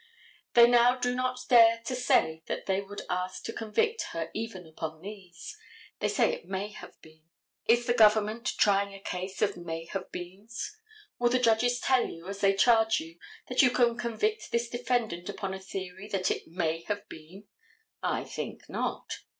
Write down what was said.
They now do not dare to say that they would ask to convict her even upon these. They say it may have been. Is the government, trying a case of may have beens? Will the judges tell you, as they charge you, that you can convict this defendant upon a theory that it may have been. I think not.